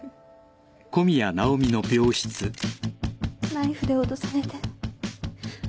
ナイフで脅されて。